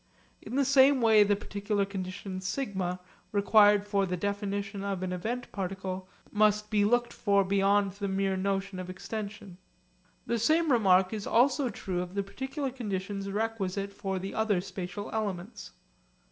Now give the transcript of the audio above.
In the same way the particular condition 'σ' required for the definition of an event particle must be looked for beyond the mere notion of extension. The same remark is also true of the particular conditions requisite for the other spatial elements.